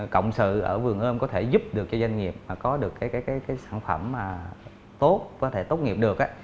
cộng sự ở vườn ươm có thể giúp được cho doanh nghiệp có được cái sản phẩm tốt có thể tốt nghiệp được á